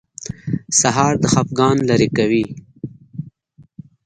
سهار د خفګان لرې کوي.